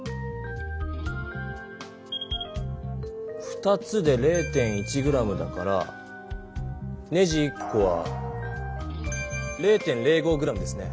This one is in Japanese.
２つで０．１ｇだからネジ１こは０．０５ｇですね。